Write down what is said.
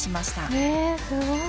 えすごい！